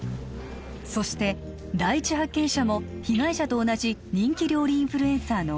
そして第一発見者も被害者と同じ人気料理インフルエンサーの